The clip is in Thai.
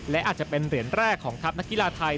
และอาจจะเป็นเหรียญแรกของทัพนักกีฬาไทย